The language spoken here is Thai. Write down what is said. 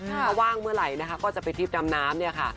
ถ้าว่างเมื่อไหร่นะคะก็จะไปทริปดำน้ำเนี่ยค่ะ